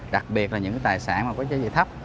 đặc biệt là những tài sản có trị thấp